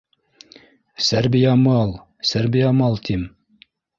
— Сәрбиямал, Сәрбиямал, тим